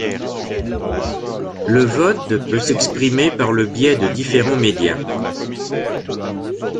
Le vote peut s'exprimer par le biais de différents média.